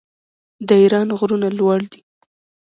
د ایران غرونه لوړ دي.